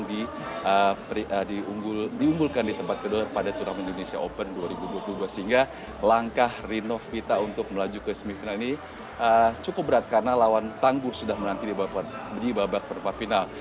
diunggulkan di tempat kedua pada turnamen indonesia open dua ribu dua puluh dua sehingga langkah rinov pita untuk melaju ke semifinal ini cukup berat karena lawan tangguh sudah menanti di babak perempat final